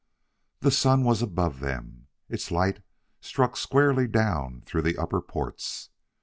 The sun was above them; its light struck squarely down through the upper ports.